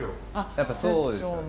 やっぱそうですよね。